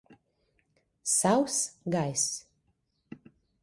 Sauss gaiss.